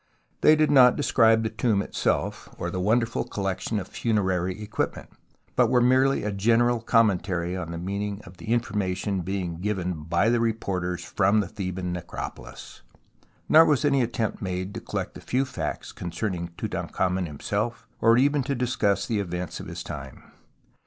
They did not describe the tomb itself or the wonderful collection of funerary equipment, but were merely a general commentary on the meaning of the information being given by the reporters from the Theban necropolis. Nor was any attempt made to collect the few facts concern ing Tutankhamen himself, or even to discuss the events of his time.